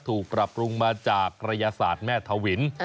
ถูกปรับปรุงมาจากกระยาศาสตร์แม่ทวิน